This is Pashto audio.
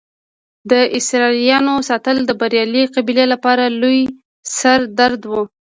د اسیرانو ساتل د بریالۍ قبیلې لپاره لوی سر درد و.